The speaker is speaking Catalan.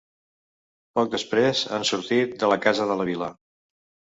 Poc després han sortit de la casa de la vila.